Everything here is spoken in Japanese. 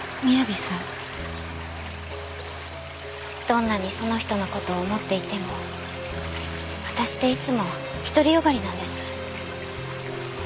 どんなにその人の事を思っていても私っていつも独りよがりなんです。